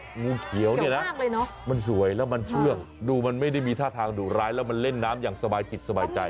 งูเขียวเนี่ยนะมันสวยแล้วมันเชื่องดูมันไม่ได้มีท่าทางดุร้ายแล้วมันเล่นน้ำอย่างสบายจิตสบายใจ